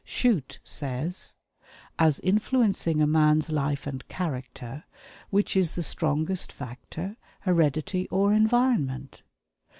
Shute says: "As influencing a man's life and character, which is the strongest factor, heredity or environment?"